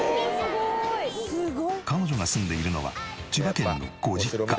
彼女が住んでいるのは千葉県のご実家。